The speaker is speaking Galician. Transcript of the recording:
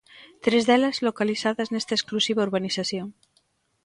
Tres delas localizadas nesta exclusiva urbanización.